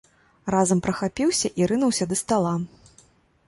Разам прахапіўся і рынуўся да стала.